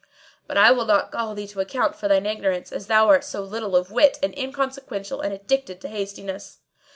But I will not call thee to account for thine ignorance, as thou art so little of wit and inconsequential and addicted to hastiness!"